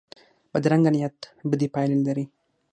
بدرنګه نیت بدې پایلې لري